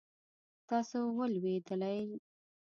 تاسو ولوېدلئ؟